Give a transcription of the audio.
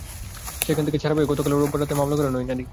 সেখান থেকে ছাড়া পেয়ে গতকাল রোববার রাতে মামলা করেন ওই নারী।